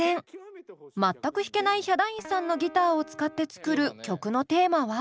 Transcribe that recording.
全く弾けないヒャダインさんのギターを使って作る曲のテーマは？